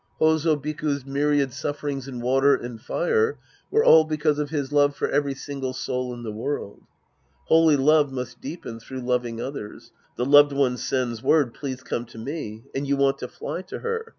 H6z5 Biku's myriad sufferings in v/ater and fire were all because of his love for every single soul in the world. Holy love must deepen through loving others. The loved one sends word, " Please come to me." And you want to fly to her.